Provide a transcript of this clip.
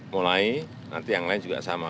mulai nanti yang lain juga sama